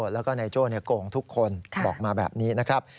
แล้วก็นายโจ้โกงทุกคนบอกมาแบบนี้นะครับ